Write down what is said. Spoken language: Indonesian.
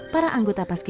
tidak ada apa apa